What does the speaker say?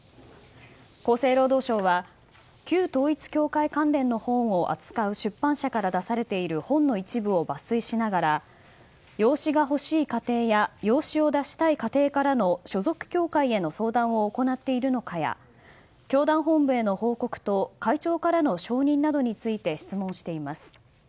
厚生労働省は旧統一教会関連の本を扱う出版社から出されている本の一部を抜粋しながら養子が欲しい家庭や養子を出したい家庭からの所属教会への相談を行っているのかや教団本部への報告と会長からの承認などについて質問しています。